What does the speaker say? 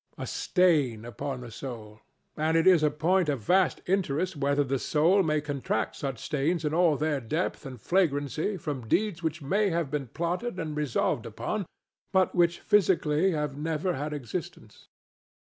A stain upon the soul. And it is a point of vast interest whether the soul may contract such stains in all their depth and flagrancy from deeds which may have been plotted and resolved upon, but which physically have never had existence.